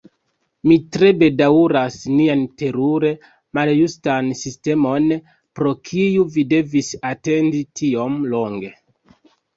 Mi tre bedaŭras nian terure maljustan sistemon, pro kiu vi devis atendi tiom longe!